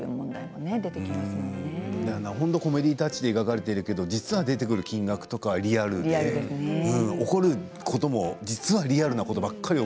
コメディータッチで描かれているけれど出てくる金額は実はリアルで起こることも実はリアルなことばっかりで。